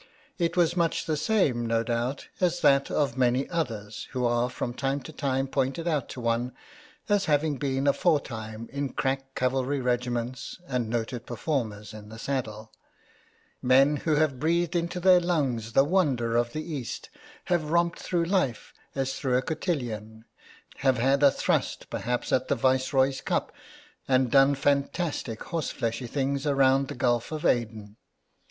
It was much the same, no doubt, as that of many JUDKIN OF THE PARCELS 43 others who are from time to time pointed out to one as having been aforetime in crack cavalry regiments and noted performers in the saddle ; men who have breathed into their lungs the wonder of the East, have romped through life as through a cotillon, have had a thrust perhaps at the Viceroy's Cup, and done fantastic horsefleshy things around the Gulf of Aden.